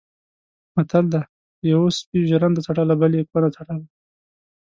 متل دی: یوه سپي ژرنده څټله بل یې کونه څټله.